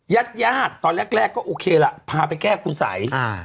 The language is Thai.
ยาดตอนแรกก็โอเคล่ะพาไปแก้คุณสัย